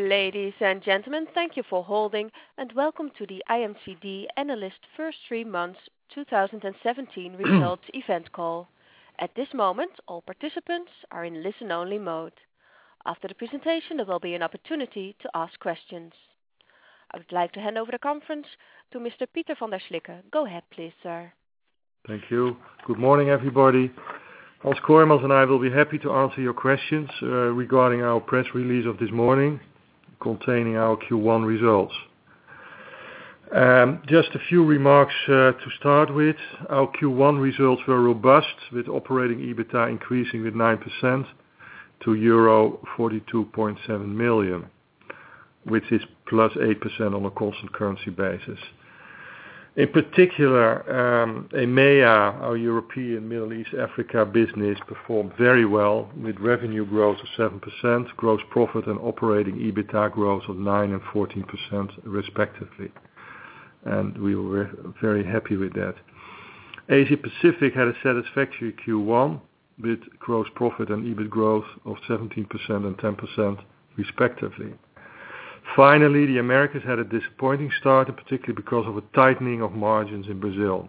Ladies and gentlemen, thank you for holding and welcome to the IMCD Analyst First Three Months 2017 Results Event Call. At this moment, all participants are in listen-only mode. After the presentation, there will be an opportunity to ask questions. I would like to hand over the conference to Mr. Piet van der Slikke. Go ahead, please, sir. Thank you. Good morning, everybody. Hans Kooijmans and I will be happy to answer your questions regarding our press release of this morning containing our Q1 results. Just a few remarks to start with. Our Q1 results were robust, with operating EBITA increasing with 9% to euro 42.7 million, which is +8% on a constant currency basis. In particular, EMEA, our European Middle East Africa business, performed very well with revenue growth of 7%, gross profit and operating EBITA growth of 9% and 14% respectively. We were very happy with that. Asia Pacific had a satisfactory Q1 with gross profit and EBIT growth of 17% and 10%, respectively. Finally, the Americas had a disappointing start, in particular because of a tightening of margins in Brazil.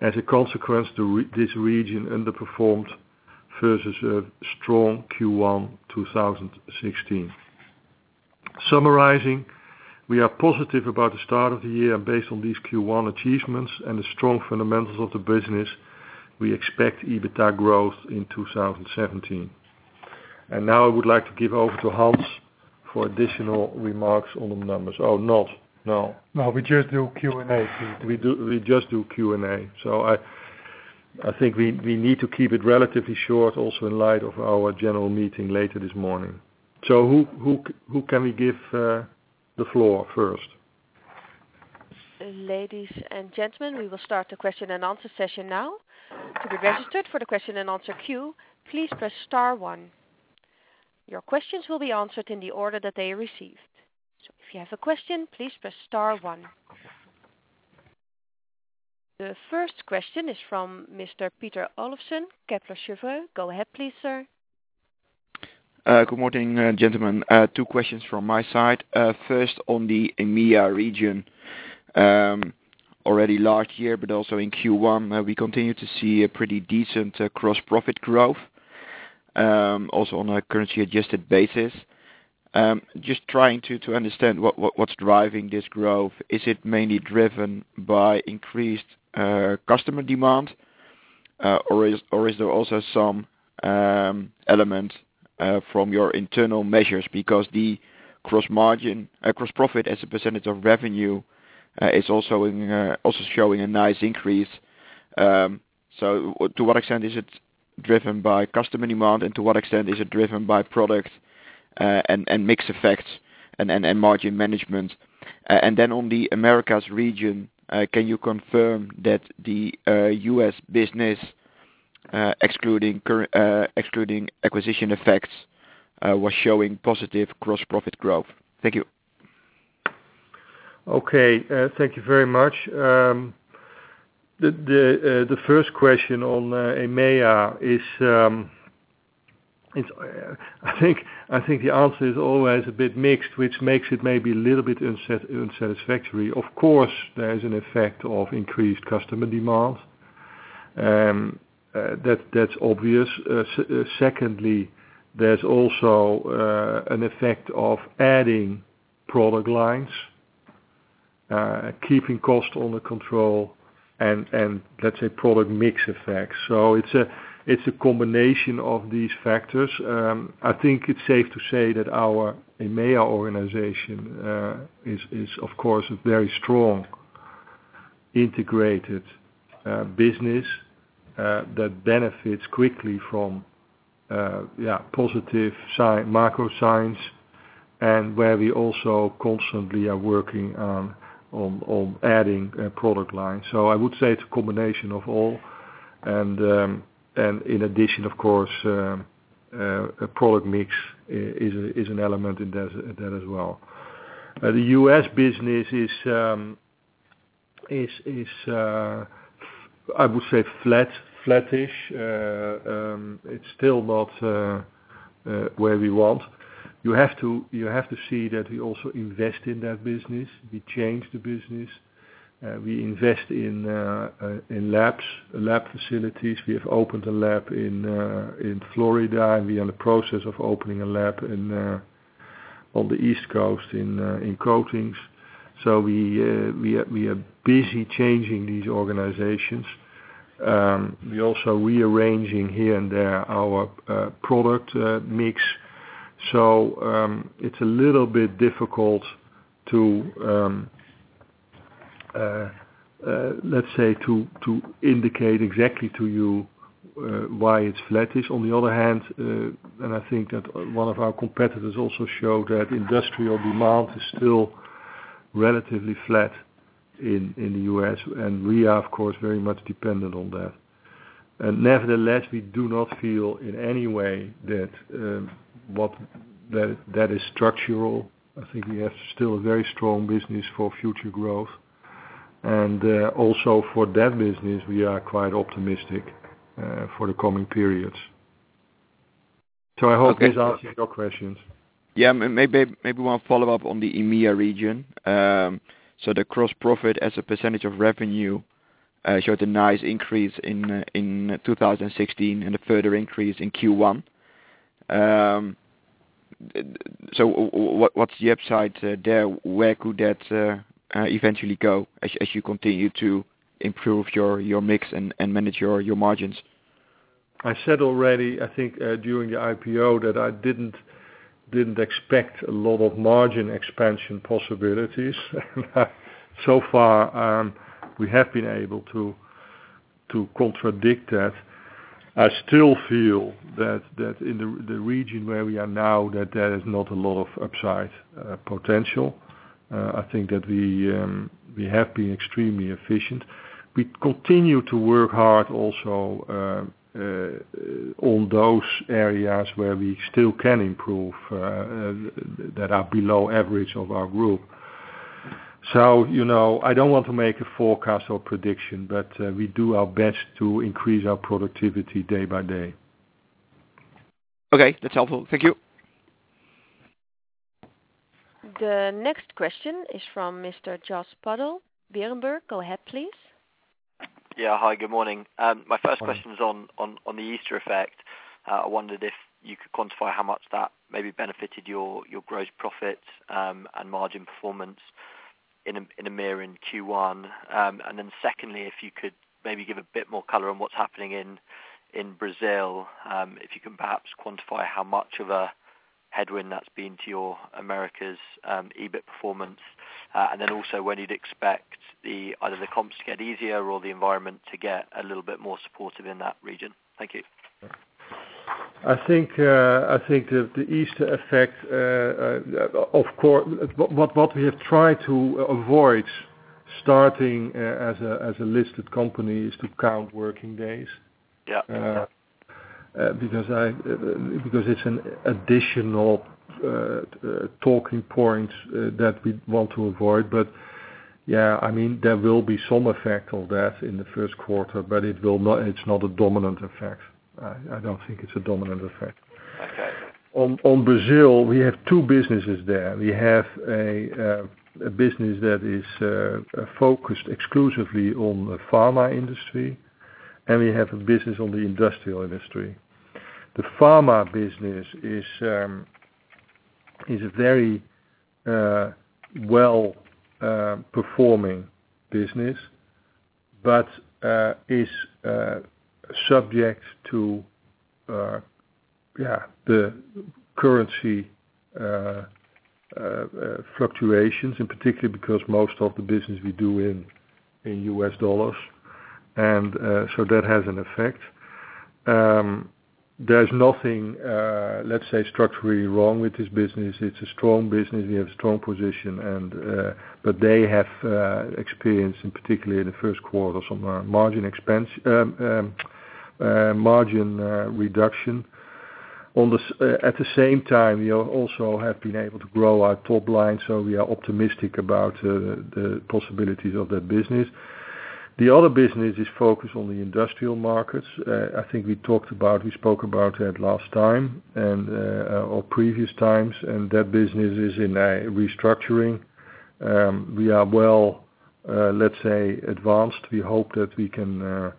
As a consequence, this region underperformed versus a strong Q1 2016. Summarizing, we are positive about the start of the year based on these Q1 achievements and the strong fundamentals of the business. We expect EBITA growth in 2017. Now I would like to give over to Hans for additional remarks on the numbers. No, we just do Q&A, Pieter. We just do Q&A. I think we need to keep it relatively short also in light of our general meeting later this morning. Who can we give the floor first? Ladies and gentlemen, we will start the question and answer session now. To be registered for the question and answer queue, please press star one. Your questions will be answered in the order that they are received. If you have a question, please press star one. The first question is from Mr. Pieter Olieslagers, Kepler Cheuvreux. Go ahead, please, sir. Good morning, gentlemen. Two questions from my side. First on the EMEA region. Already last year, but also in Q1, we continue to see a pretty decent gross profit growth, also on a currency-adjusted basis. Just trying to understand what's driving this growth. Is it mainly driven by increased customer demand? Or is there also some element from your internal measures? Because the gross profit as a percentage of revenue is also showing a nice increase. To what extent is it driven by customer demand, and to what extent is it driven by product and mix effects and margin management? Then on the Americas region, can you confirm that the U.S. business, excluding acquisition effects, was showing positive gross profit growth? Thank you. Okay. Thank you very much. The first question on EMEA is, I think the answer is always a bit mixed, which makes it maybe a little bit unsatisfactory. Of course, there is an effect of increased customer demand. That's obvious. Secondly, there's also an effect of adding product lines, keeping cost under control and let's say product mix effect. It's a combination of these factors. I think it's safe to say that our EMEA organization is, of course, a very strong integrated business that benefits quickly from positive macro signs and where we also constantly are working on adding product lines. I would say it's a combination of all, and in addition, of course, product mix is an element in that as well. The U.S. business is, I would say flattish. It's still not where we want. You have to see that we also invest in that business. We change the business. We invest in lab facilities. We have opened a lab in Florida, and we are in the process of opening a lab on the East Coast in coatings. We are busy changing these organizations. We're also rearranging here and there our product mix. It's a little bit difficult, let's say, to indicate exactly to you why it's flattish. On the other hand, and I think that one of our competitors also showed that industrial demand is still relatively flat in the U.S., and we are, of course, very much dependent on that. Nevertheless, we do not feel in any way that is structural. I think we have still a very strong business for future growth. Also for that business, we are quite optimistic for the coming periods. I hope this answers your questions. Yeah. Maybe one follow-up on the EMEA region. The gross profit as a percentage of revenue showed a nice increase in 2016 and a further increase in Q1. What's the upside there? Where could that eventually go as you continue to improve your mix and manage your margins? I said already, I think during the IPO that I didn't expect a lot of margin expansion possibilities. So far, we have been able to contradict that. I still feel that in the region where we are now, that there is not a lot of upside potential. I think that we have been extremely efficient. We continue to work hard also on those areas where we still can improve, that are below average of our group. I don't want to make a forecast or prediction, but we do our best to increase our productivity day by day. Okay. That's helpful. Thank you. The next question is from Mr. Joost Pudden, Berenberg. Go ahead, please. Yeah. Hi, good morning. My first question is on the Easter effect. I wondered if you could quantify how much that maybe benefited your gross profit and margin performance in EMEA in Q1. Secondly, if you could maybe give a bit more color on what's happening in Brazil. If you can perhaps quantify how much of a headwind that's been to your Americas EBIT performance. Also when you'd expect either the comps to get easier or the environment to get a little bit more supportive in that region. Thank you. I think the Easter effect, what we have tried to avoid starting as a listed company is to count working days. Yeah. It's an additional talking point that we want to avoid. Yeah, there will be some effect of that in the first quarter, but it's not a dominant effect. I don't think it's a dominant effect. Okay. On Brazil, we have two businesses there. We have a business that is focused exclusively on the pharma industry, and we have a business on the industrial industry. The pharma business is a very well-performing business but is subject to the currency fluctuations, particularly because most of the business we do in US dollars. That has an effect. There's nothing, let's say, structurally wrong with this business. It's a strong business. We have a strong position. They have experienced, particularly in the first quarter, some margin reduction. At the same time, we also have been able to grow our top line, we are optimistic about the possibilities of that business. The other business is focused on the industrial markets. I think we spoke about that last time or previous times, that business is in restructuring. We are well, let's say, advanced. We hope that we can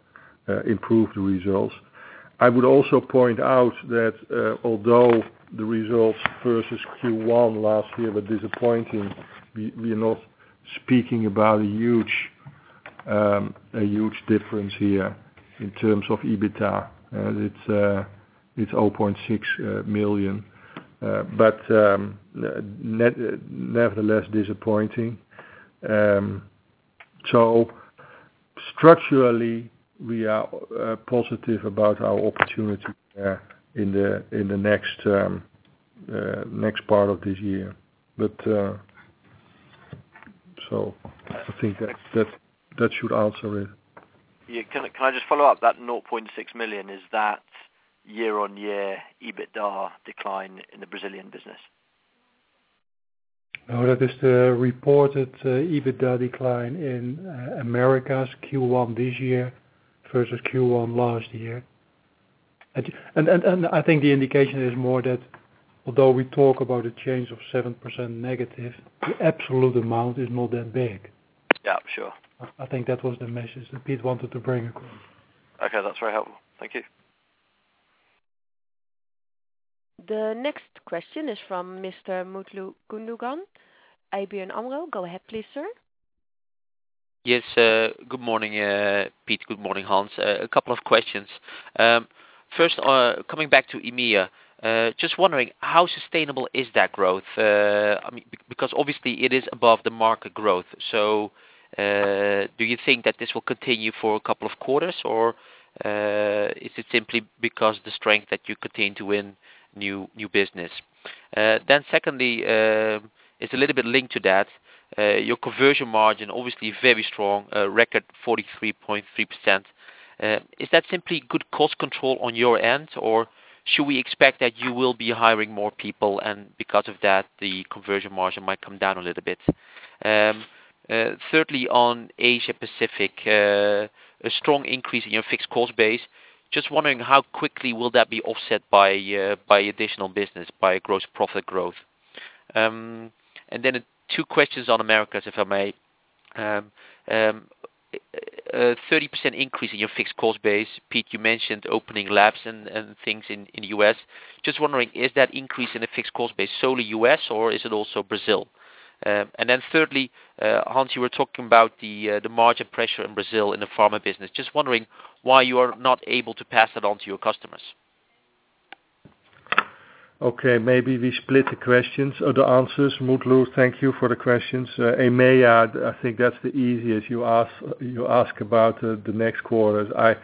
improve the results. I would also point out that although the results versus Q1 last year were disappointing, we're not speaking about a huge difference here in terms of EBITDA. It's EUR 0.6 million. Nevertheless disappointing. Structurally, we are positive about our opportunity there in the next part of this year. I think that should answer it. Yeah. Can I just follow up? That 0.6 million, is that year-over-year EBITDA decline in the Brazilian business? No, that is the reported EBITDA decline in Americas Q1 this year versus Q1 last year. I think the indication is more that although we talk about a change of 7% negative, the absolute amount is not that big. Yeah, sure. I think that was the message that Piet wanted to bring across. Okay. That's very helpful. Thank you. The next question is from Mr. Mutlu Gundogan, ABN AMRO. Go ahead please, sir. Yes. Good morning, Piet. Good morning, Hans. A couple of questions. Coming back to EMEA, just wondering how sustainable is that growth? Obviously it is above the market growth. Do you think that this will continue for a couple of quarters, or is it simply because the strength that you continue to win new business? Secondly, it's a little bit linked to that. Your conversion margin, obviously very strong, a record 43.3%. Is that simply good cost control on your end, or should we expect that you will be hiring more people and because of that, the conversion margin might come down a little bit? Thirdly, on Asia Pacific, a strong increase in your fixed cost base. Just wondering how quickly will that be offset by additional business, by gross profit growth. Two questions on Americas, if I may. A 30% increase in your fixed cost base. Piet, you mentioned opening labs and things in the U.S. Just wondering, is that increase in the fixed cost base solely U.S. or is it also Brazil? Thirdly, Hans, you were talking about the margin pressure in Brazil in the pharma business. Just wondering why you are not able to pass that on to your customers. Okay. Maybe we split the questions or the answers. Mutlu, thank you for the questions. In EMEA, I think that's the easiest. You ask about the next quarters. I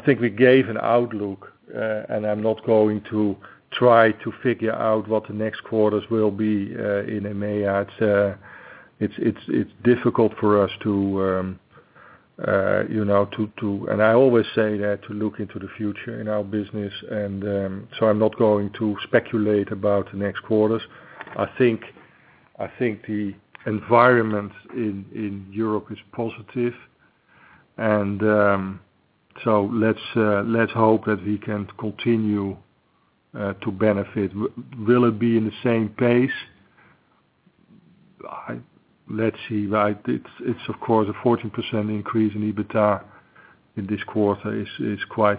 think we gave an outlook. I'm not going to try to figure out what the next quarters will be in EMEA. It's difficult for us to, I always say that to look into the future in our business. I'm not going to speculate about the next quarters. I think the environment in Europe is positive. Let's hope that we can continue to benefit. Will it be in the same pace? Let's see. It's of course a 14% increase in EBITDA in this quarter is quite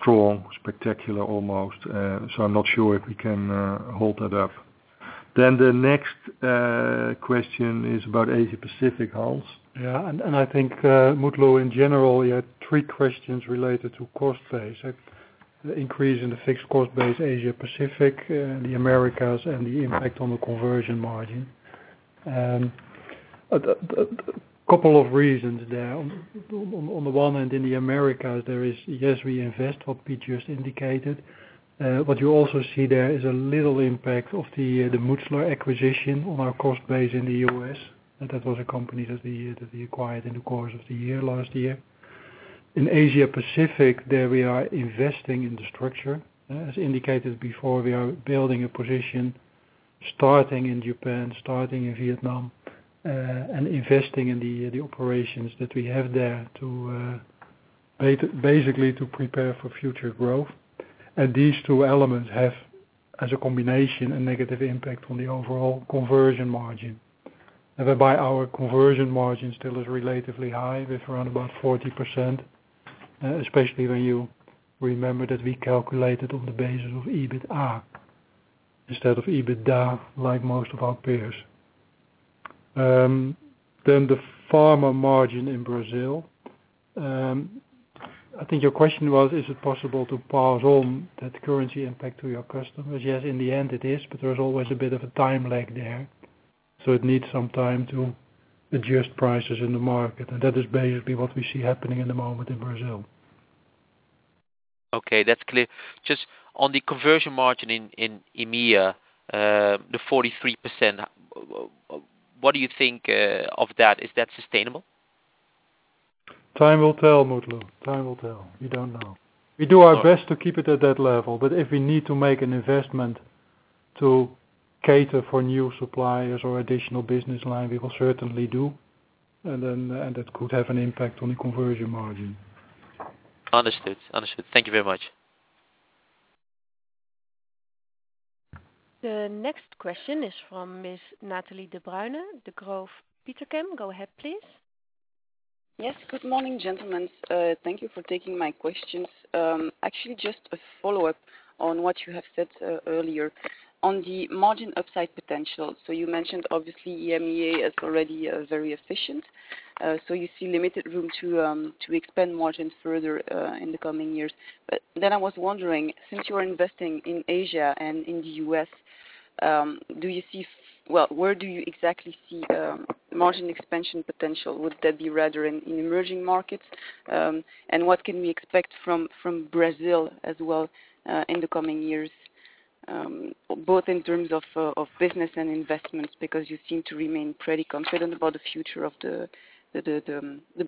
strong, spectacular almost. I'm not sure if we can hold that up. The next question is about Asia Pacific, Hans. Yeah. I think, Mutlu, in general, you had three questions related to cost base. The increase in the fixed cost base, Asia Pacific and the Americas, and the impact on the conversion margin. A couple of reasons there. On the one hand, in the Americas, there is, yes, we invest what Piet just indicated. What you also see there is a little impact of the Mutchler acquisition on our cost base in the U.S. That was a company that we acquired in the course of the year, last year. In Asia Pacific, there we are investing in the structure. As indicated before, we are building a position starting in Japan, starting in Vietnam, investing in the operations that we have there basically to prepare for future growth. These two elements have, as a combination, a negative impact on the overall conversion margin. Whereby our conversion margin still is relatively high with around about 40%, especially when you remember that we calculated on the basis of EBITA instead of EBITDA, like most of our peers. The pharma margin in Brazil. I think your question was, is it possible to pass on that currency impact to your customers? Yes, in the end it is, but there's always a bit of a time lag there. It needs some time to adjust prices in the market. That is basically what we see happening in the moment in Brazil. Okay. That's clear. On the conversion margin in EMEA, the 43%, what do you think of that? Is that sustainable? Time will tell, Mutlu. Time will tell. We don't know. We do our best to keep it at that level. If we need to make an investment to cater for new suppliers or additional business line, we will certainly do, and that could have an impact on the conversion margin. Understood. Thank you very much. The next question is from Ms. Nathalie De Bruycker, Degroof Petercam. Go ahead, please. Yes. Good morning, gentlemen. Thank you for taking my questions. Actually, just a follow-up on what you have said earlier on the margin upside potential. You mentioned obviously EMEA is already very efficient. You see limited room to expand margins further in the coming years. I was wondering, since you are investing in Asia and in the U.S., where do you exactly see margin expansion potential? Would that be rather in emerging markets? What can we expect from Brazil as well in the coming years, both in terms of business and investments? You seem to remain pretty confident about the future of the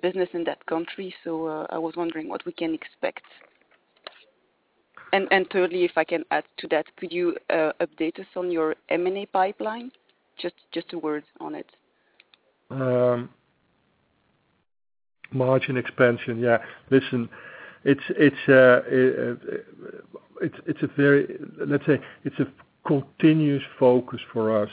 business in that country. I was wondering what we can expect. Thirdly, if I can add to that, could you update us on your M&A pipeline? Just a word on it. Margin expansion. Yeah. Listen, let's say it's a continuous focus for us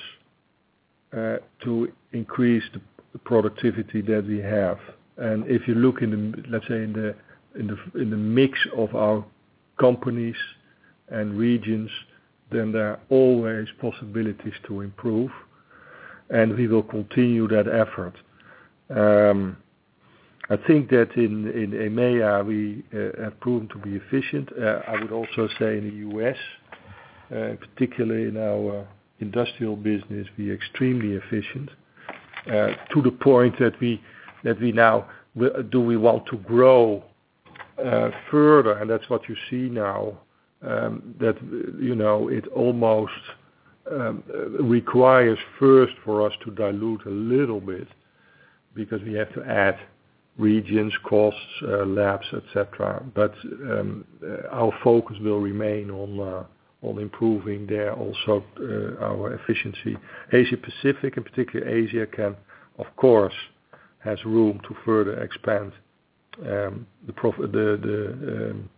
to increase the productivity that we have. If you look in, let's say, in the mix of our companies and regions, then there are always possibilities to improve, and we will continue that effort. I think that in EMEA, we have proven to be efficient. I would also say in the U.S., particularly in our industrial business, we are extremely efficient to the point that we now, do we want to grow further, and that's what you see now, that it almost requires first for us to dilute a little bit because we have to add regions, costs, labs, et cetera. Our focus will remain on improving there also our efficiency. Asia Pacific, in particular Asia can, of course, has room to further expand the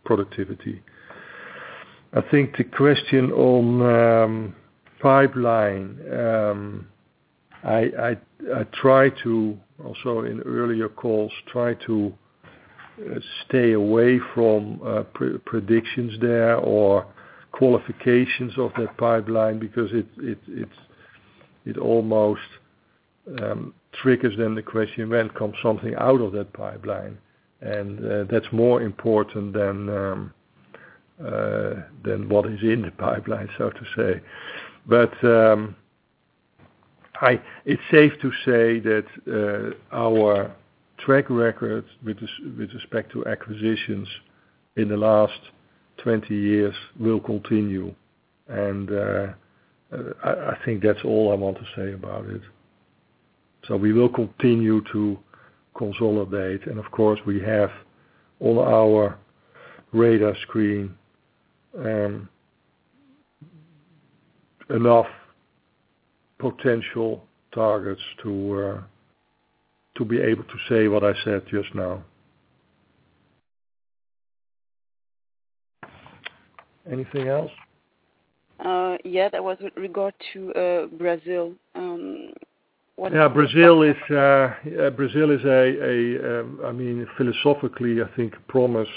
productivity. I think the question on pipeline. I try to, also in earlier calls, try to stay away from predictions there or qualifications of that pipeline, it almost triggers then the question, "When comes something out of that pipeline?" That's more important than what is in the pipeline, so to say. It's safe to say that our track record with respect to acquisitions in the last 20 years will continue. I think that's all I want to say about it. We will continue to consolidate, and of course, we have on our radar screen enough potential targets to be able to say what I said just now. Anything else? Yeah. That was with regard to Brazil. Yeah, Brazil is, philosophically, I think, promised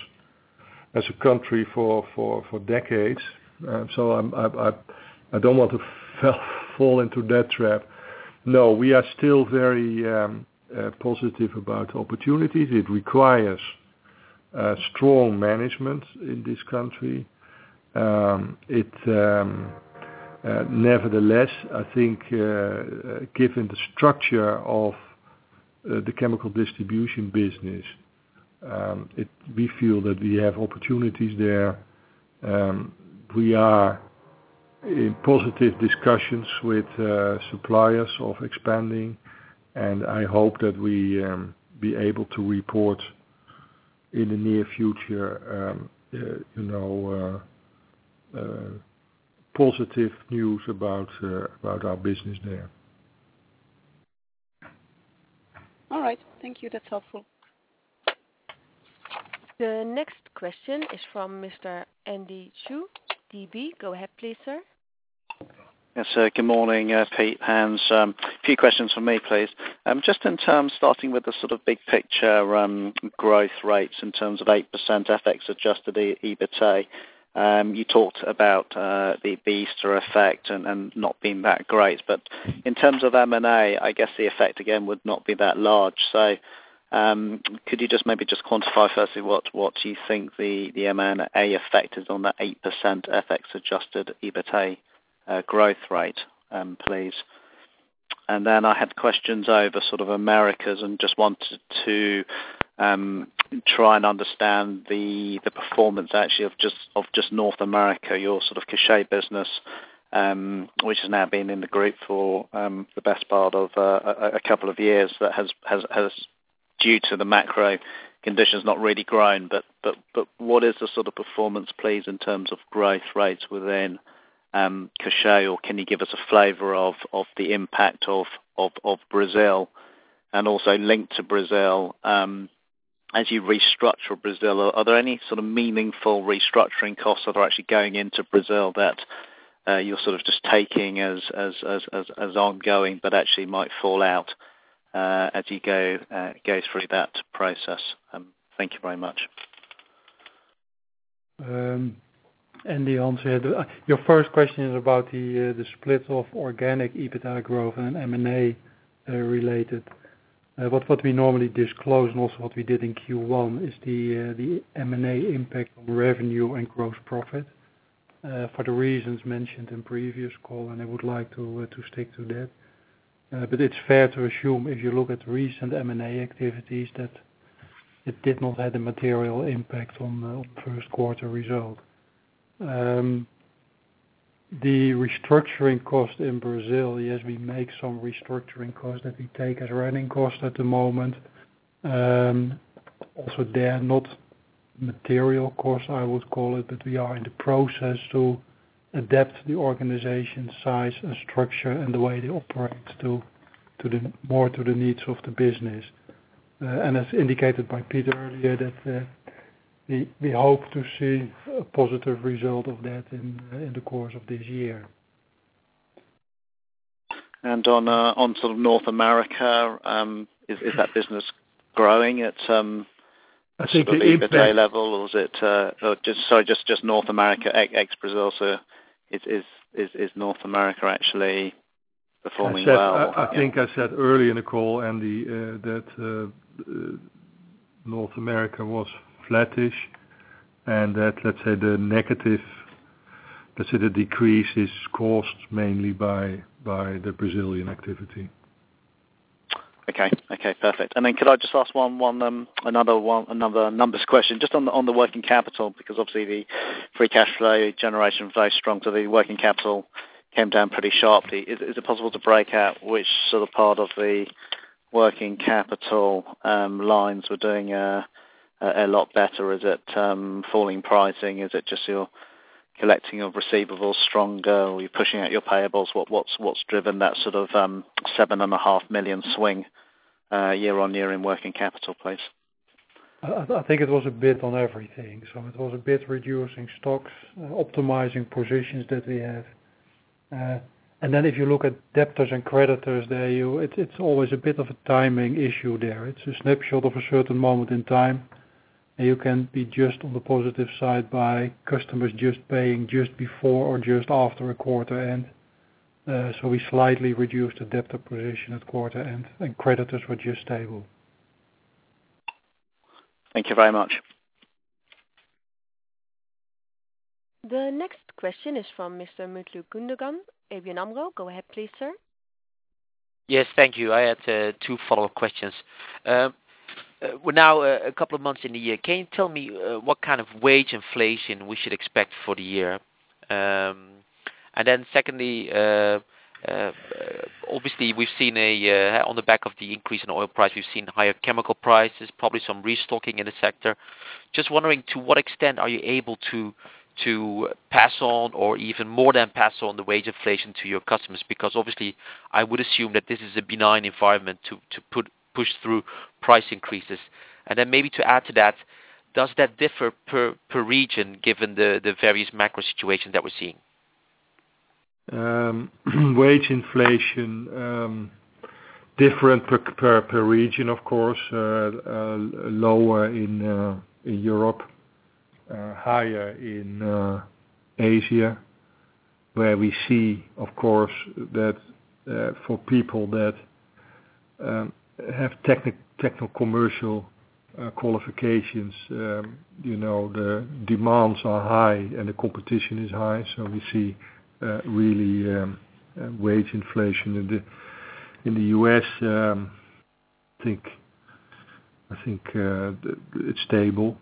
as a country for decades. I don't want to fall into that trap. No, we are still very positive about opportunities. It requires a strong management in this country. Nevertheless, I think, given the structure of the chemical distribution business, we feel that we have opportunities there. We are in positive discussions with suppliers of expanding, and I hope that we be able to report in the near future, positive news about our business there. All right. Thank you. That's helpful. The next question is from Mr. Andy Chu, DB. Go ahead, please, sir. Yes, good morning, Piet, Hans. A few questions from me, please. Just in terms, starting with the sort of big picture growth rates in terms of 8% FX-adjusted EBITA. You talked about the Easter effect and not being that great, but in terms of M&A, I guess the effect again would not be that large. Could you just maybe just quantify firstly what you think the M&A effect is on that 8% FX-adjusted EBITA growth rate, please. I had questions over sort of Americas and just wanted to try and understand the performance actually of just North America, your sort of Cachat business, which has now been in the group for the best part of a couple of years that has, due to the macro conditions, not really grown. What is the sort of performance, please, in terms of growth rates within Cachat, or can you give us a flavor of the impact of Brazil and also linked to Brazil. As you restructure Brazil, are there any sort of meaningful restructuring costs that are actually going into Brazil that you're sort of just taking as ongoing, but actually might fall out as you go through that process? Thank you very much. Andy, Hans here. Your first question is about the split of organic EBITA growth and M&A related. What we normally disclose and also what we did in Q1 is the M&A impact on revenue and gross profit, for the reasons mentioned in previous call, and I would like to stick to that. It's fair to assume, if you look at recent M&A activities, that it did not have a material impact on the first quarter result. The restructuring cost in Brazil, yes, we make some restructuring cost that we take as running cost at the moment. They are not material costs, I would call it, but we are in the process to adapt the organization size and structure and the way they operate more to the needs of the business. As indicated by Piet earlier, that we hope to see a positive result of that in the course of this year. North America, is that business growing? I think. EBITA level, or is it Sorry, just North America ex Brazil. Is North America actually performing well? I think I said earlier in the call, Andy, that North America was flattish and that, let's say the negative, let's say the decrease is caused mainly by the Brazilian activity. Okay, perfect. Could I just ask another numbers question just on the working capital, because obviously the free cash flow generation is very strong, the working capital came down pretty sharply. Is it possible to break out which part of the working capital lines were doing a lot better? Is it falling pricing? Is it just your collecting of receivables stronger, or you're pushing out your payables? What's driven that sort of seven and a half million swing year-on-year in working capital, please? I think it was a bit on everything. It was a bit reducing stocks, optimizing positions that we have. If you look at debtors and creditors there, it's always a bit of a timing issue there. It's a snapshot of a certain moment in time, and you can be just on the positive side by customers just paying just before or just after a quarter. We slightly reduced the debtor position at quarter end and creditors were just stable. Thank you very much. The next question is from Mr. Mutlu Gundogan, ABN AMRO. Go ahead, please, sir. Yes. Thank you. I had two follow-up questions. We're now a couple of months in the year. Can you tell me what kind of wage inflation we should expect for the year? Secondly, obviously, on the back of the increase in oil price, we've seen higher chemical prices, probably some restocking in the sector. Just wondering, to what extent are you able to pass on, or even more than pass on the wage inflation to your customers? Because obviously I would assume that this is a benign environment to push through price increases. Maybe to add to that, does that differ per region given the various macro situations that we're seeing? Wage inflation, different per region, of course. Lower in Europe, higher in Asia, where we see, of course, that for people that have technical commercial qualifications, the demands are high and the competition is high. We see really wage inflation. In the U.S., I think it's stable.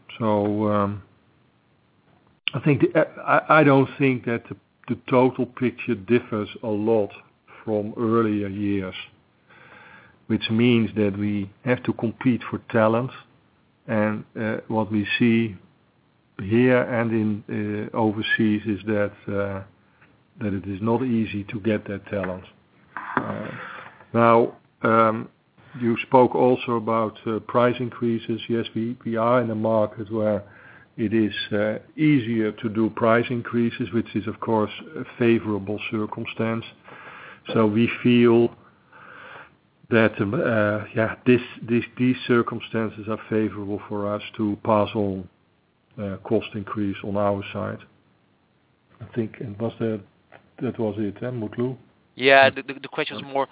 I don't think that the total picture differs a lot from earlier years, which means that we have to compete for talent. What we see here and in overseas is that it is not easy to get that talent. Now, you spoke also about price increases. Yes, we are in a market where it is easier to do price increases, which is, of course, a favorable circumstance. We feel that, these circumstances are favorable for us to pass on cost increase on our side. I think that was it. Mutlu? Yeah, the question is more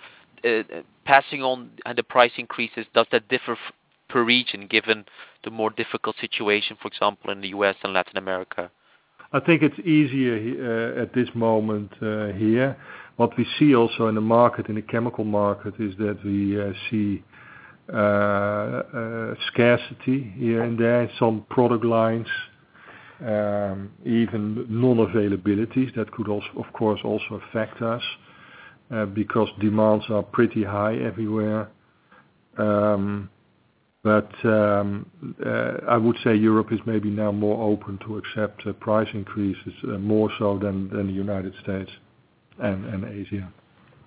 passing on and the price increases. Does that differ per region given the more difficult situation, for example, in the U.S. and Latin America? I think it's easier at this moment here. What we see also in the market, in the chemical market, is that we see scarcity here and there in some product lines, even non-availabilities. That could, of course, also affect us, because demands are pretty high everywhere. I would say Europe is maybe now more open to accept price increases, more so than the United States and Asia.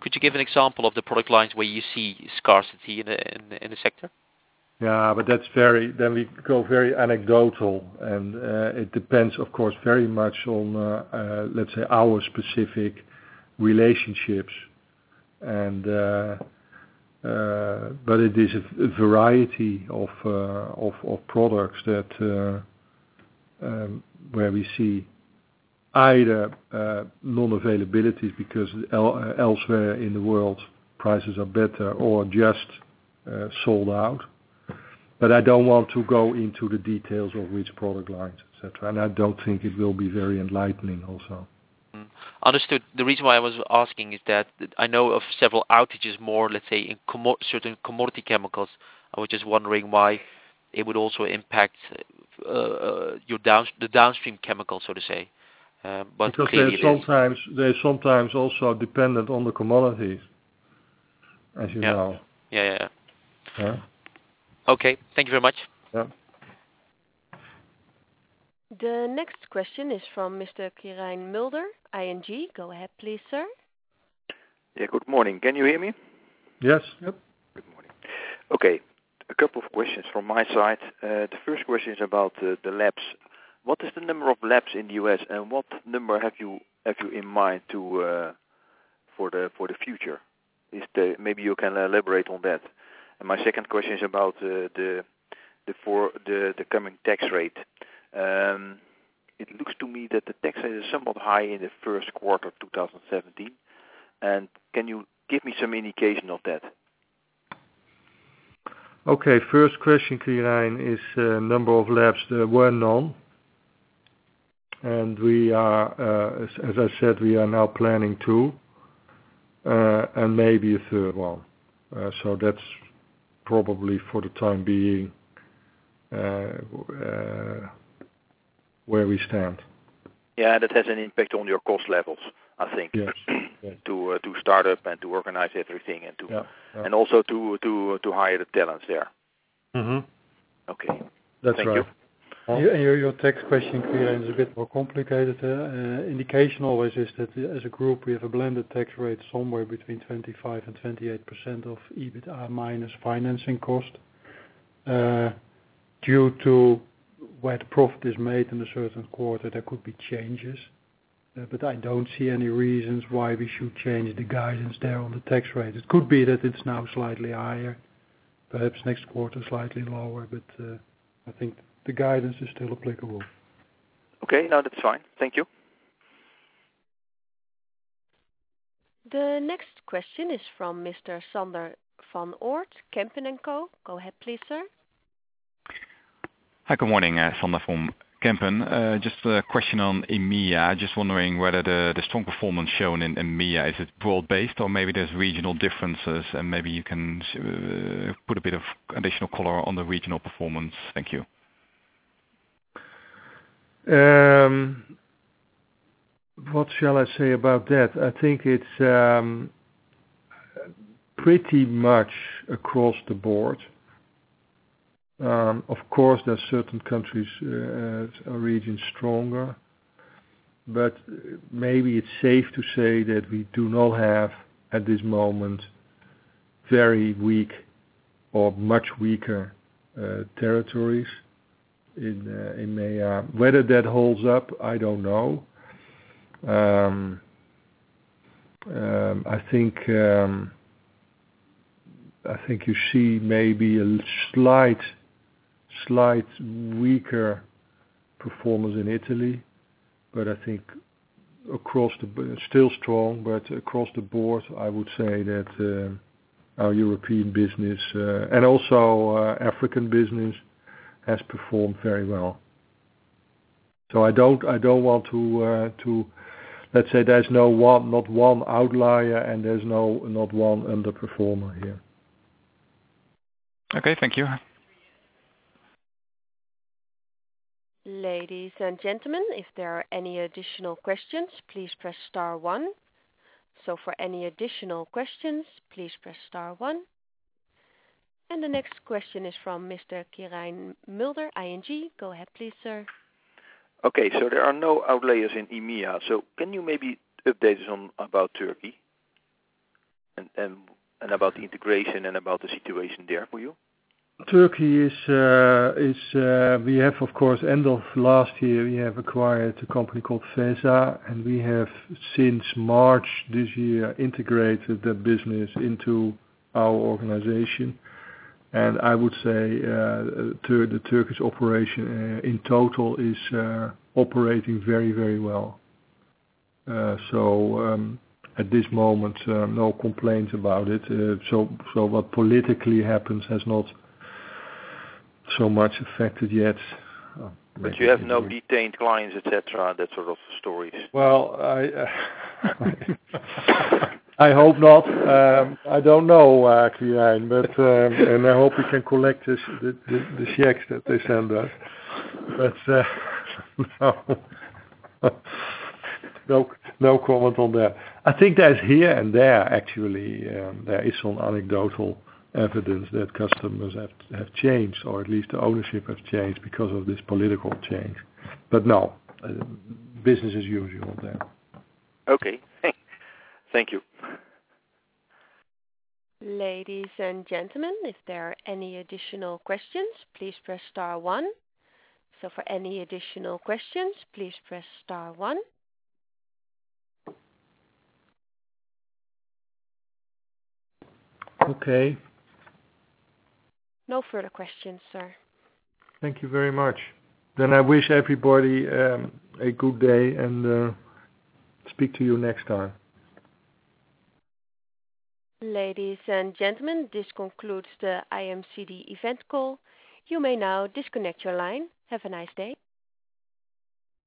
Could you give an example of the product lines where you see scarcity in the sector? We go very anecdotal. It depends, of course, very much on, let's say, our specific relationships. It is a variety of products where we see either non-availabilities because elsewhere in the world, prices are better or just sold out. I don't want to go into the details of which product lines, et cetera. I don't think it will be very enlightening also. Understood. The reason why I was asking is that I know of several outages, more, let's say, in certain commodity chemicals. I was just wondering why it would also impact the downstream chemicals, so to say. Clearly it is. They're sometimes also dependent on the commodities, as you know. Yeah. Yeah. Okay. Thank you very much. Yeah. The next question is from Mr. Quirijn Mulder, ING. Go ahead, please, sir. Yeah. Good morning. Can you hear me? Yes. Good morning. Okay. A couple of questions from my side. The first question is about the labs. What is the number of labs in the U.S., and what number have you in mind for the future? Maybe you can elaborate on that. My second question is about the coming tax rate. It looks to me that the tax rate is somewhat high in Q1 2017. Can you give me some indication of that? Okay. First question, Quirijn, is number of labs. There were none. As I said, we are now planning two, and maybe a third one. That's probably for the time being where we stand. Yeah. That has an impact on your cost levels, I think. Yes. To start up and to organize everything. Yeah. Also to hire the talents there. Okay. Thank you. That's right. Your tax question, Quirijn, is a bit more complicated. Indication always is that as a group, we have a blended tax rate somewhere between 25% and 28% of EBITA minus financing cost. Due to where the profit is made in a certain quarter, there could be changes. I don't see any reasons why we should change the guidance there on the tax rate. It could be that it's now slightly higher, perhaps next quarter, slightly lower. I think the guidance is still applicable. Okay. No, that's fine. Thank you. The next question is from Mr. Sander van Oort, Kempen & Co. Go ahead, please, sir. Hi, good morning. Sander from Kempen & Co. Just a question on EMEA. Just wondering whether the strong performance shown in EMEA, is it broad-based or maybe there's regional differences and maybe you can put a bit of additional color on the regional performance. Thank you. What shall I say about that? I think it's pretty much across the board. Of course, there are certain countries or regions stronger, maybe it's safe to say that we do not have, at this moment, very weak or much weaker territories in EMEA. Whether that holds up, I don't know. I think you see maybe a slight weaker performance in Italy. Still strong, across the board, I would say that our European business, and also our African business, has performed very well. Let's say there's not one outlier and there's not one underperformer here. Okay, thank you. Ladies and gentlemen, if there are any additional questions, please press star one. For any additional questions, please press star one. The next question is from Mr. Quirijn Mulder, ING. Go ahead, please, sir. Okay. There are no outliers in EMEA. Can you maybe update us about Turkey and about the integration and about the situation there for you? Turkey, end of last year, we have acquired a company called FESA, and we have since March this year, integrated that business into our organization. I would say, the Turkish operation in total is operating very, very well. At this moment, no complaints about it. What politically happens has not so much affected yet. You have no detained clients, et cetera, that sort of stories? Well, I hope not. I don't know, Quirijn, and I hope we can collect the checks that they send us. No comment on that. I think there's here and there actually, there is some anecdotal evidence that customers have changed, or at least the ownership has changed because of this political change. No. Business as usual there. Okay. Thank you. Ladies and gentlemen, if there are any additional questions, please press star one. For any additional questions, please press star one. Okay. No further questions, sir. Thank you very much. I wish everybody a good day and speak to you next time. Ladies and gentlemen, this concludes the IMCD event call. You may now disconnect your line. Have a nice day.